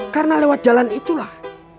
karena lewat jalan itulah